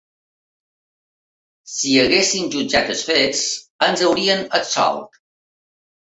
Si haguessin jutjat els fets, ens haurien absolt.